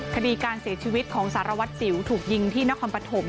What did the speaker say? คดีการเสียชีวิตของสารวัตรสิวถูกยิงที่นครปฐม